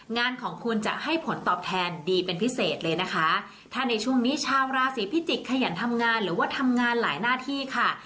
งานของคุณจะให้ผลตอบแทนดีเป็นพิเศษเลยนะคะถ้าในช่วงนี้ชาวราศีพิจิกษ์ขยันทำงานหรือว่าทำงานหลายหน้าที่ค่ะ